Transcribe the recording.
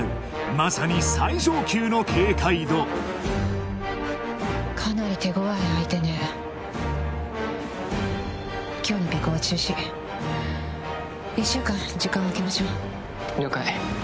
まさにかなり手強い相手ね今日の尾行は中止１週間時間を空けましょう了解